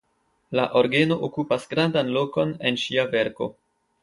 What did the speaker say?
La orgeno okupas grandan lokon en ŝia verko.